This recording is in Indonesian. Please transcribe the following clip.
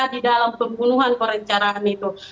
di dalam pembunuhan perencanaan itu